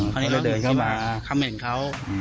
คัมเม่นเขา